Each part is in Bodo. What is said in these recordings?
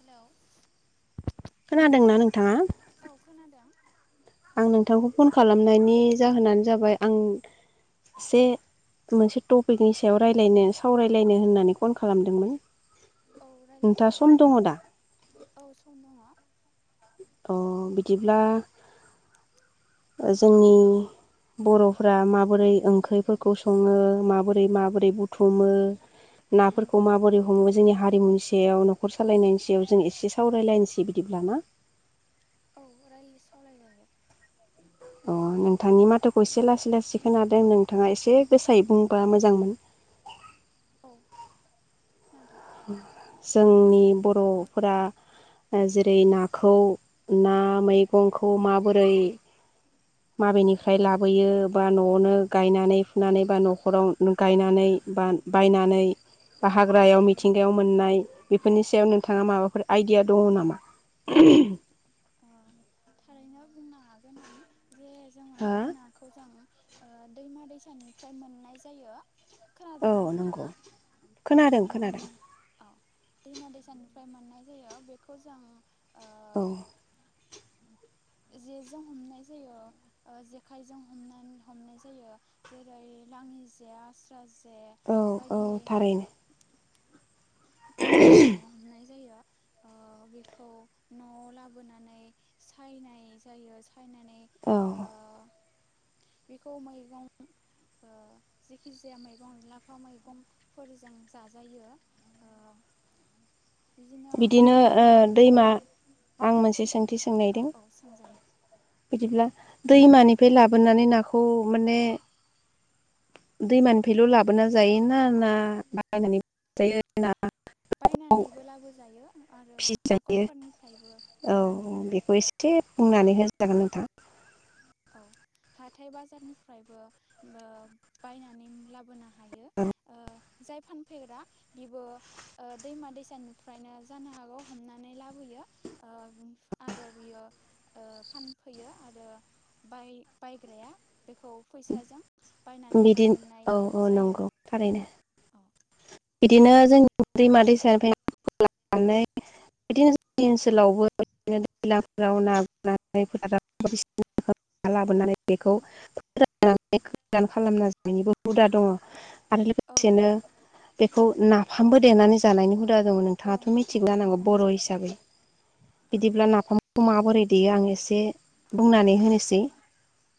हेलौ खोनादोंना नोंथाङा? औ खोनादों आं नोंथांखौ फन खालामनायनि जाहोनानो जाबाय आं एसे मोनसे टपिकनि सायाव रायलायनो सावरायलायनो होननानै कन खालामदोंमोन। औ रायलाय नोंथाङा जायो सम दङ दा औ सम दङ। अ बिदिब्ला जोंनि बर'फोरा माबोरै ओंख्रिफोरखौ सङो माबोरै माबोरै बुथुमो नाफोरखौ माबोरै हमो जोंनि हारिमुनि सायाव न'खर सालायनायनि सायाव जों एसे सावरायलायनोसै बिदिब्ला ना? औ रायलाय सावराय जायो। अ नोंथांनि माथोखौ एसे लासै लासै खोनादों नोंथाङा एसे गोसायै बुंबा मोजांमोन। औ खोनादों? जोंनि बर'फोरा जेरै नाखौ ना मैगंखौ माबोरै? माबेनिफ्राय लाबोयो बा न'आवनो गायनानै फुनानै बा न'खराव गायनानै बा बायनानै बा हाग्रायाव मिथिंगायाव मोननाय बेफोरनि सायाव नोंथाङा माबाफोर आइडिया दङ नामा? ओ थारैनो बुंनो हागोन आं जे जोङो हा नाखौ जों ओ दैमा दैसानिफ्राय मोननाय जायो औ खोनादोंना नोंथाङा नंगौ खोनादों खोनादों औ दैमा दैसानिफ्राय मोननाय जायो बेखौ जों ओ औ जेजों हमनाय जायो ओ जेखायजों हमना हमनाय जायो जेरै लाङि जे आस्रा जे औ औ बायदि थारैनो बायदिजों हमनाय जायो ओ बेखौ न'आव लाबोनानै सायनाय जायो सायनानै औ ओ बेखौ मैगं ओ जेखि जाया मैगं लाफा मैगंफोरजों जाजायो ओ बिदिनो ओ बायदि दैमा रोखोमनि आं मोनसे सों औ औ सोंजायो बिदिब्ला दैमानिफ्राय लाबोनानै नाखौ माने दैमानिफ्रायल' लाबोना जायोना ना ना बायनानैबो जायो नाखौ बायनानैबो लाबोजायो आरो फिसिजायो हाख'रफोरनिफ्रायबो औ गुरनानै मोनो। बेखौ एसे बुंनानै होजागोन नोंथां औ हाथाय बाजारनिफ्रायबो ओ बायनानै लाबोनो हायो ओ जाय फानफैग्रा बिबो ओ दैमा दैसानिफ्रायनो जानो हागौ हमनानै लाबोयो ओ आरो बियो ओ फानफैयो आरो बाय बायग्राया बेखौ फैसाजों बायनानै बिदि लाबोनाय औ औ जायो नंगौ थारैनो औ बिदिनो जोंनि दैमा दैसानिफ्राय [unintelligible] बिदिनो जोंनि ओनसोलावबोदिनो दैज्लांफोराव ना बोन बदि लाबोनानै बेखौ फोर गोदान खालामना जानायनिबो हुदा दङ [inaudible] आरो औ लोगोसेनो बेखौ नाफामबो देनानै जानायनि हुदा दं। औ नोंथाङाथ' मिथिगौ नाफामबो जानांगौ देनानै बर' जानो हिसाबै औ बिदिब्ला नाफाम माबोरै देयो आं एसे बुंनानै होनोसै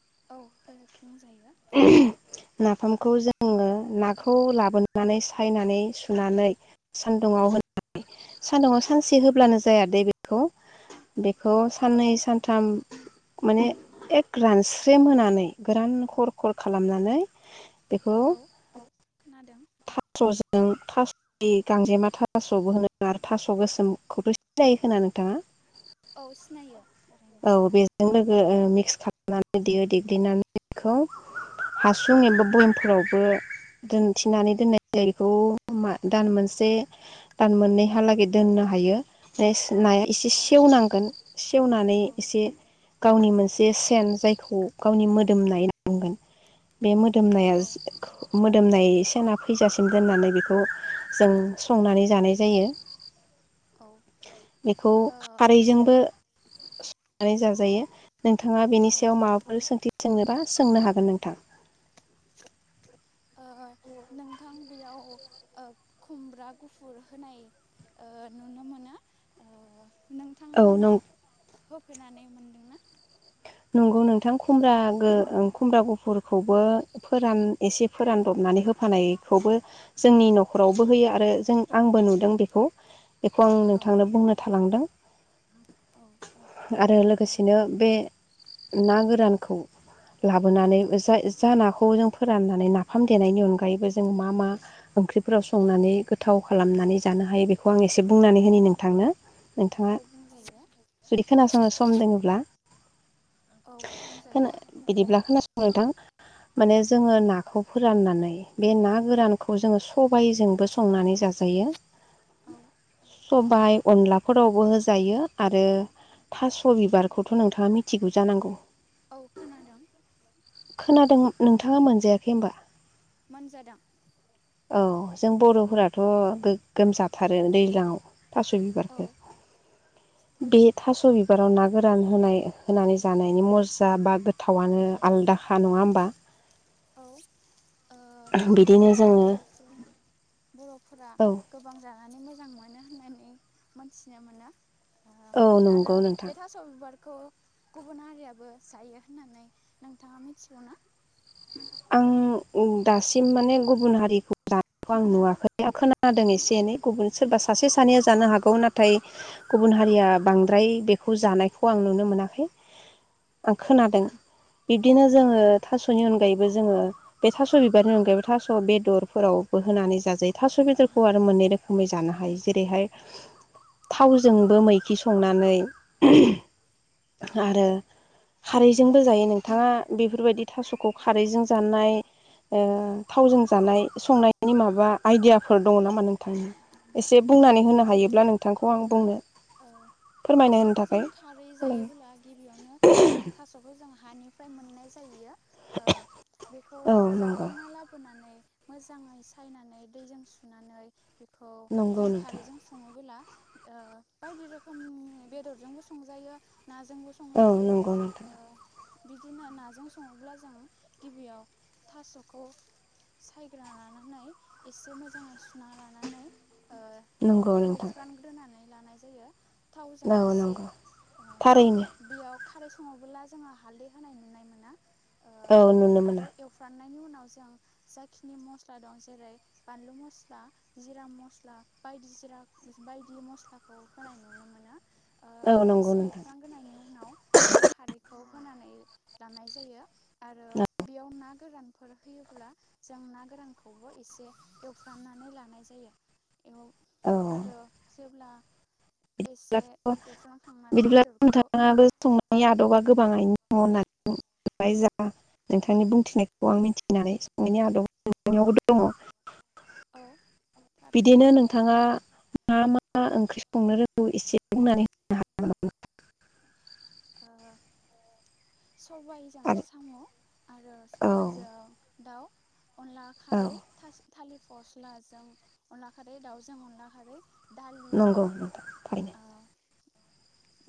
[inaudible] नाफामखौ जोङो नाखौ लाबोनानै सायनानै सुनानै सान्दुुंआव होनानै सान्दुंआव सानसे होब्लानो जाया दे बेखौ औ बेखौ साननै सान थाम माने एक रानस्रेम होनानै गोरान हर कल खालामनानै औ खोनादों थास'जों थास' गांजेमा थास'बो होनो आरो थास' गोसोमखौथ' सिनाखायो ना नोंथाङा? औ सिनायो थारैनो औ बेजों ओ ओ मिक्स खालामनानै देयो देग्लिनानै बेखौ हासुं एबा भयमफोरावबो दोनथिनानै दोननाय जायो बेखौ दान मोनसे दान मोननैहालागै दोननो हायो औ [unintelligible] नाया एसे खोनादों सेवनांगोन सेवनानै औ मोन गावनि मोनसे सेन जायखौ गावनि मोदोमनाय बे मोदोमनाया औ दोमनाय सना फैजासिम दोननानै बेखौ जों संनानै जानाय जायो औ बेखौ ओ खारैजोंबो [inaudible] नानै जाजायो नोंथाङा बेनि औ सायाव माबाफोर सोंथि सोंनोबा सोंनो हागोन नोंथां ओ नोंथां बेयाव ओ खुमब्रा गुफुर होनाय ओ नुनो मोनो औ नों नोंथांमोनाव होफेरनानै मोन नंगौ नोंथां खुमब्रा खुमब्रा गुफुरखौबो फोरान एसे फोरानदबनानै होफानायखौबो जोंनि न'खरावबो होयो आरो जों आंबो नुदों बेखौ बेखौ आं औ नोंथांनो बुंनो थालांदों औ [inaudible] ओ आरो लोगोसेनो बे ना गोरानखौ लाबोनानै जा जा नाखौ जों फोराननानै नाफाम देनायनि अनगायैबो जों मा मा ओंख्रिफोराव संनानै गोथाव खालामनानै जानो हायो बेखौ आं एसे बुंनानै हो नोंथांनो नोंथाङा औ बुंजायो जुदि खोनासंनो सम दङोब्ला औ बुंजायो [unintelligible] बिदिब्ला खोनासं [unintelligible] माने जोङो नाखौ फोराननानै बे ना गोरानखौ जोङो सबायजोंबो संनानै जाजायो। औ। सबाइ, अनलाफोरावबो होजायो आरो थास' बिबारखौथ' नोंथाङा [unintelligible] [unintelligible] जानांगौ। औ खोनादों। खोनादों नोंथाङा मोनजायाखै होनबा? मोनजादों। औ जों बर'फोराथ' गोगोमजाथारो दैज्लां आव। थास' औ बिबारखौ। बे थास' बिबाराव ना गोरान होनाय होनानै जानायनि मजा बा गोथावनो आलादाख नङा होमबा? औ ओ थास' बिदिनो बिबारा जोङो बर'फोर -बर'फोरा औ गोबां जानानै मोजां [unintelligible] [unintelligible] होननानै मोनथिनो मोना। औ आरो नंगौ बे नोंथां थास' बिबार [unintelligible] गुबुन हारियाबो जायो होननानै नोंथाङा मिथिगौना? आं दासिम माने गुबुन हारिखौ जानायखौ आं नुवाखै खोनादों एसे एनै गुबुन सोरबा सासे सानैया जानो औ हागौ नाथाय गुबुन हारिया बांद्राय बेखौ जानायखौ आं नुनो मोनाखै आं खोनादों बिब्दिनो जोङो थास'नि अनगा बे थास' बिबार नि अनगायैबो थास बेदरफोरावबो होनानै जाजायो थास बेदरखौ आरो मोननै रोखोमै जानो हायो जेरैहाय थावजोंबो मैखि संनानै आरो खारै जों बो जायो नोंथाङा बेफोर बादि थास'खौ खारैजों जानाय ओ थावजों जानाय संनायनि माबा आइडियाफोर दङ नामा नोंथांनि? एसे औ बुंनानै होनो हायोब्ला थारैनो नोंथांखौ आं बुंनो फोरमायनो होनो थास'खौ जों थाखाय खारै खावलायबाय। जायोबोब्ला गिबियावनो जों थास'खौ जों हा बेनिफ्राय मोननाय जायोना। ओ बेखौ [unintelligible] औ नंगौ जावखांना लाबोना [unintelligible] मोजाङै सायनानै दैजों सुनानै। बेखौ नंगौ जों नोंथां खारैजों सङोबोला ओ बायदि रोखोमनि बेदरजोंबो संजायो। नाजोंबो औ संजायो। नंगौ नोंथां बिदिनो नाजों सङोब्ला जों गिबियाव थास'खौ सायग्राोना लानानै एसे मोजाङै सुना लानानै। ओ नंगौ नोंथां। [unintelligible] लानाय जायो। थावजों औ एसे नंगौ ओ थारैनो बेयाव खारै सङोबोला जोङो हालदै होनाय नुनाय मोना। औ नुनो मोना। नायनि उनाव जा खिनि माब्ला दं जेरै बानलु मस्ला जिरा मस्ला बायदि जिरा बायदि मस्ला। खौ होनाय नुनो मोनो। औ नंगौ एसे नोंथां एवफ्रामग्रोनायनि उनाव जों खारैखौ होनानै लानाय जायो आरो बेयाव ना गोरानफोर होयोब्ला जों ना गोरानखौबो एसे एवफ्रामनानै लानाय जायो। एवो औ आरो जेब्ला एसे एवफ्रामखांनानै बेदरखौ [inaudible] [inaudible] औ। थारैनो बिदिनो नोंथाङा मा मा ओंख्रि संनो रोंगौ एसे बुंनानै होनो [inaudible] ओ सबायजों आरो साम' आरो औ सबायजों दाउ अनला औ खारै थास थालिर फस्लाजों अनला खारै, दाउजों अनला खारै। दालि नंगौ नोंथां थारैनो ओ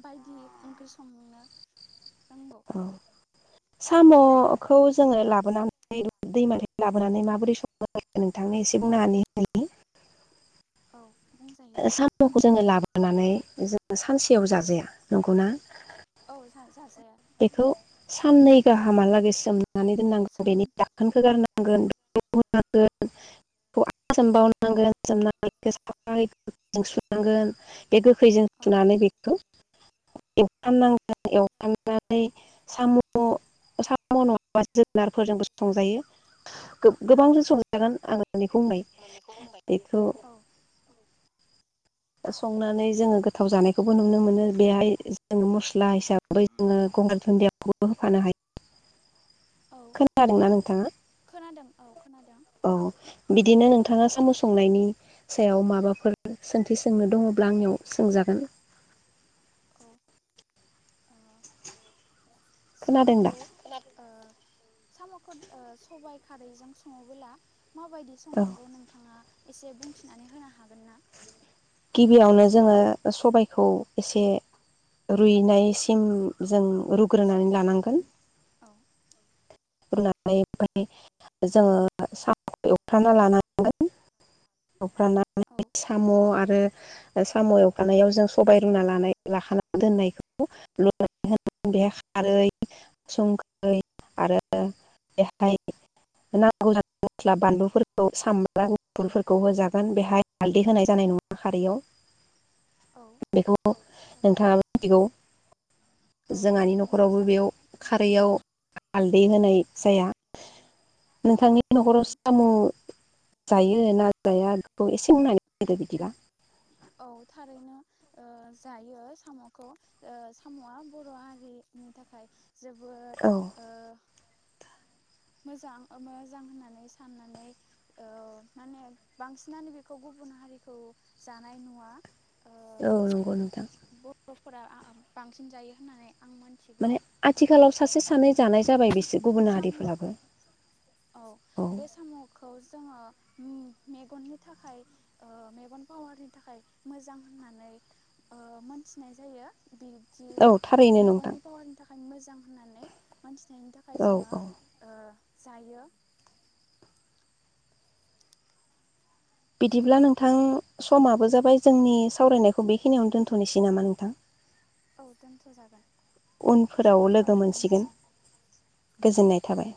बायदि ओंख्रि संनो रोंगौ औ साम'खौ जोङो लाबोनानै दैमानिफ्राय लाबोनानै माबोरै सङो नोंथांनो एसे बुंनानै होनि औ बुंजायो साम'खौ जोङो लाबो नानै जों सानसेयाव जाजाया नंगौना? औ [unintelligible] बेखौ साननै गाहामहालागै सोम नानै दोननांगोन सोम बेनि दाखोनखौ औ गारनांगोन [inaudible] [inaudible] बे गोखैजों औ सुनानै बेखौ [inaudible] नानै साम' साम' नङाबा जोगोनारफोजोंबो संजायो गोबांजों संजागोन आङो मोननैखौ बुंबाय [inaudible] बेखौ औ संनानै जोङो गोथाव जानायखौबो नुनो मोनो बेहाय जों मस्ला हिसाबै जोङो गंगार दुनदियाबो होफानो हायो औ खोनादोंना नोंथाङा खोनादों औ खोनादों औ। बिदिनो नोंथाङा साम' संनायनि सायाव माबाफोर सोंथि सोंनो दङब्ला आंनियाव सोंजागोन। औ औ खोनादों दा साम'खौ ओ साम'खौ सबाइ खारैजों सङोबोला माबायदि औ संनांगौ नोंथाङा एसे बुंथिनानै होनो हागोन ना गिबियावनो जोङो सबायखौ एसे रुइनायसिम जों सो रुग्रोनानै लानांगोन औ रुनानै ओमफ्राय जोङो सामखौ एवखाना लानांगोन औ [inaudible] साम' [inaudible] साम' एवखानायाव जों सबाय रुना लानाय लाखाना दोननायखौ बेहाय खारै संख्रै आरो बेहाय नांगौ मस्ला बानलुफोरखौ सामब्राम गुफुरफोरखौ होजागोन बेहाय हालदै होनाय जानाय नङा खारैयाव औ बेखौ थारैनो नोंथाङा मिथिगौ औ जोंहानि थारैनो न'खरावबो मिथिगौ बेयाव खारैयाव हालदै होनाय जाया औ नोंथांनि न'खराव खोनादों साम' जायो ना जाया बेखौ एसे बुंनानै होदो बिदिबा औ थारैनो जायो साम'खौ साम'आ बर' हारिनि थाखाय जोबोर औ ओ मोजां ओ मोजां होननानै साननानै ओ माने बांसिनानो बेखौ गुबुन हारिखौ सो जानाय नुवा औ नंगौ नोथां बर'फोरा बांसिन जायो होननानै आं मिथिगौ माने आथिखालाव सासे सानै आरो जानाय जाबाय बे बिसोर गुबुन हारिफोराबो साम'खौ औ बे साम'खौ जोङो मेगननि थाखाय ओ मेगन पावारनि थाखाय मोजां होननानै ओ‌ मोनथिनाय जायो बिदि औ थारैनो नोंथां मेगननि पावारनि थाखाय मोजां होननानै मोनथिनायनि थाखाय औ जोङो औ ओ जायो बिदिब्ला नोंथां समाबो जाबाय जोंनि सावरायनायखौ बेखिनियावनो दोन्थ'नोसै नामा नोंथां औ दोनथ' जागोन उनफोराव साबायखर लोगो मोनसिगोन नोंथांनिसिम गोजोननाय थाबाय